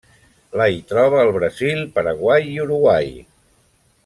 La hi troba al Brasil, Paraguai i Uruguai.